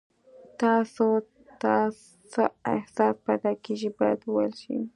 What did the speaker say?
تاسو ته څه احساس پیدا کیږي باید وویل شي.